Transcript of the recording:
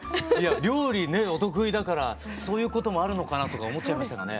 料理ねお得意だからそういうこともあるのかなとか思っちゃいましたね。